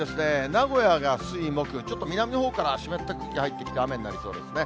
名古屋が水、木、ちょっと南のほうから湿った空気が入ってきて雨になりそうですね。